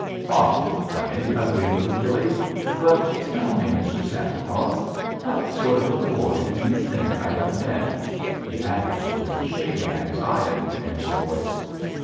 "Awful funny," agreed Little Billee. "But tell me, Mr. Santa Claus, what sort of a boy do you think I have been?" he added with a shade of anxiety in his voice.